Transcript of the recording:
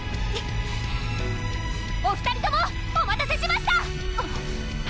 ・お２人ともお待たせしました！